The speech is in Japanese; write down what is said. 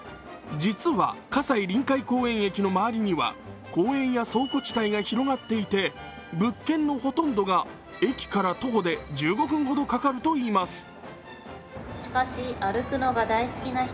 実は葛西臨海公園駅の周りには公園や倉庫地帯が広がっていて物件のほとんどが駅から徒歩で１５分ほどかかるといいます。